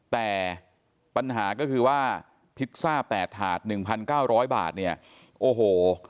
แต่ปัญหาก็คือว่าพิซซ่าแปดถาดหนึ่งพันเก้าร้อยบาทเนี่ยโอ้โห